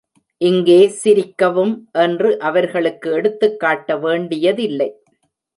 இங்கே சிரிக்கவும்! என்று அவர்களுக்கு எடுத்துக்காட்ட வேண்டியதில்லை.